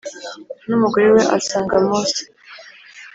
n umugore we asanga Mose